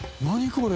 これ。